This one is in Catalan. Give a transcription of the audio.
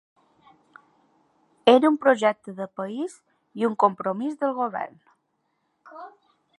Era un projecte de país i un compromís del govern.